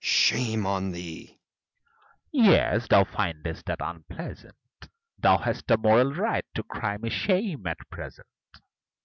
FAUST Shame on thee! MEPHISTOPHELES Yes, thou findest that unpleasant! Thou hast the moral right to cry me "shame!" at present.